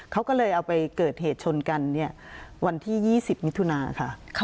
เขาก็เลยเอาไปเกิดเหตุชนกันวันที่๒๐มิถุนาค่ะ